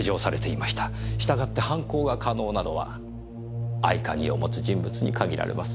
したがって犯行が可能なのは合鍵を持つ人物に限られます。